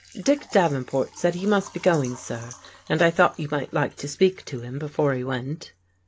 "Dick Davenport said he must be going, sir, and I thought you might like to speak to him before he went."